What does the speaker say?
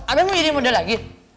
ada yang gini model lagi